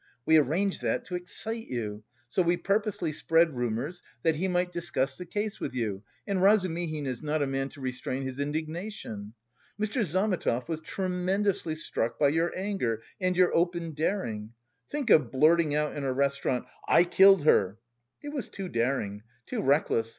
We arranged that to excite you, so we purposely spread rumours, that he might discuss the case with you, and Razumihin is not a man to restrain his indignation. Mr. Zametov was tremendously struck by your anger and your open daring. Think of blurting out in a restaurant 'I killed her.' It was too daring, too reckless.